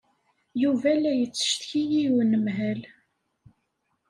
Yuba la yettcetki i unemhal.